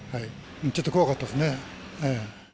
ちょっと怖かったですね。